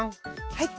はい。